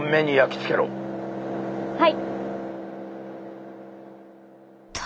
はい。